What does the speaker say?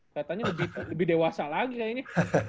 katanya lebih dewasa lagi kayaknya